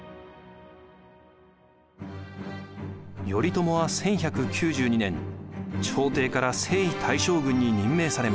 頼朝は１１９２年朝廷から征夷大将軍に任命されます。